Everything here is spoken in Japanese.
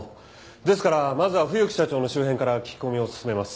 ですからまずは冬木社長の周辺から聞き込みを進めます。